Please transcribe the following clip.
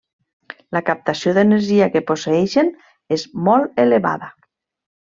La captació d'energia que posseeixen és molt elevada.